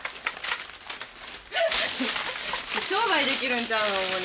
商売できるんちゃうのオモニ